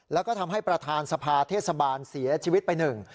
แล้วก็ทำให้ประธานสภาเทศบาลเสียชีวิตไปหนึ่ง